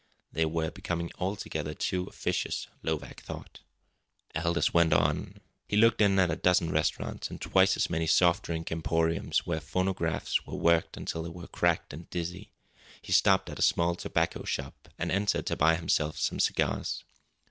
They were becoming altogether too officious, Lovak thought. Aldous went on. He looked in at a dozen restaurants, and twice as many soft drink emporiums, where phonographs were worked until they were cracked and dizzy. He stopped at a small tobacco shop, and entered to buy himself some cigars.